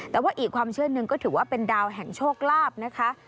แต่ว่าอีกความเชื่อหนึ่งก็ถือว่าเป็นดาวแห่งโชคลาภนะคะ